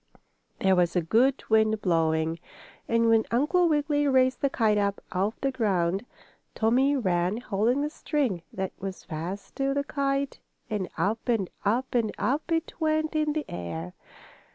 There was a good wind blowing, and when Uncle Wiggily raised the kite up off the ground, Tommie ran, holding the string that was fast to the kite and up and up and up it went in the air.